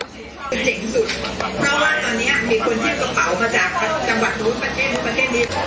จริงสุดเพราะว่าตอนนี้มีคนที่ต้องเป่ากระจ่าจังหวัดพลุภัณฑ์เมืองประเทศดิน